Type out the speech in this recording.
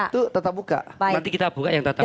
itu tetap buka baik nanti kita buka yang tetap buka